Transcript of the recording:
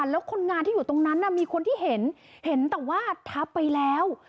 แล้วคนงานที่อยู่ตรงนั้นมีคนที่เห็นเห็นแต่ว่าทับไปแล้ว